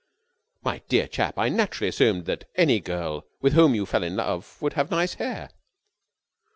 "My dear chap, I naturally assumed that any girl with whom you fell in love would have nice hair."